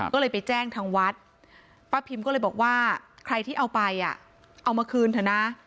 ก็เลยไปแจ้งทางวัดป้าพิมก็เลยบอกว่าใครที่เอาไปเอามาคืนเถอะนะ